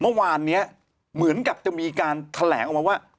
เมื่อวานนี้เหมือนกับจะมีการแถลงออกมาว่า